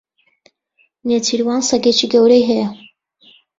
نێچیروان سەگێکی گەورەی هەیە.